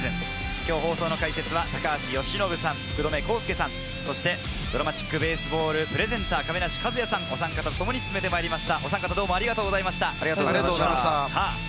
今日の解説は高橋由伸さん、福留孝介さん、ＤＲＡＭＡＴＩＣＢＡＳＥＢＡＬＬプレゼンターの亀梨和也さん、おさん方とともに進めてまいりました。